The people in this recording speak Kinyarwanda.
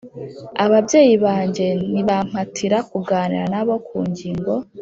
Ababyeyi banjye nibampatira kuganira na bo ku ngingo